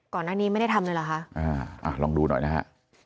ก่อนหน้านี้ไม่ได้ทำเลยเหรอคะอ่าลองดูหน่อยนะฮะ